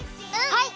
はい！